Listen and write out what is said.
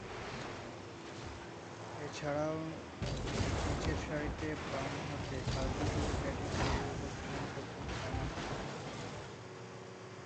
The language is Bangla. এছাড়াও, নিচেরসারিতে বামহাতে কার্যকরী ব্যাটিংশৈলী উপস্থাপন করতেন সাইমন কুক।